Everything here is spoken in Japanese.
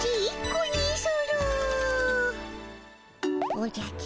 おじゃ金。